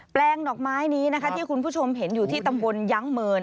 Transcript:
ลงดอกไม้นี้นะคะที่คุณผู้ชมเห็นอยู่ที่ตำบลยั้งเมิน